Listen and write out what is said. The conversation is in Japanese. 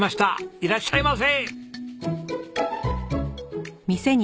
いらっしゃいませ。